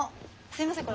すいません